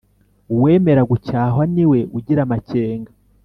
uwemera gucyahwa ni we ugira amakenga